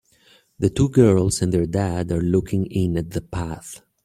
The two girls and their dad are looking in at the path.